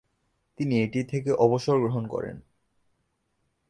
তিনি এটি থেকে অবসর গ্রহণ করেন।